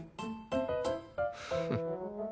フッ。